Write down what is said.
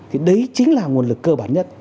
thì đấy chính là nguồn lực cơ bản nhất